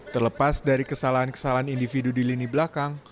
terlepas dari kesalahan kesalahan individu di lini belakang